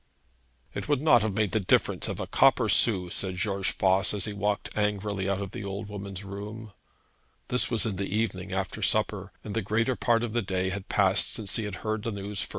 'It would not have made the difference of a copper sou,' said George Voss, as he walked angrily out of the old woman's room. This was in the evening, after supper, and the greater part of the day had passed since he had first heard the news.